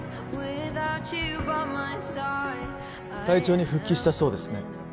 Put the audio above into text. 隊長に復帰したそうですね